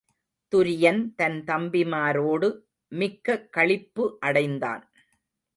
துரியன் தன் தம்பிமாரோடு மிக்க களிப்பு அடைந்தான்.